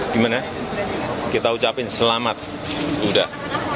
gimana kita ucapkan selamat sudah